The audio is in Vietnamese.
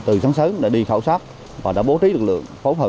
từ sáng sớm đã đi khảo sát và đã bố trí lực lượng phố phật